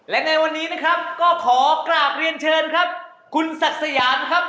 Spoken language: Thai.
และในวันนี้นะครับก็ขอกราบเรียนเชิญครับคุณศักดิ์สยามครับ